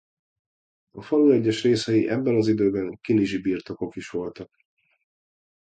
A falu egyes részei ebben az időben Kinizsi-birtokok is voltak.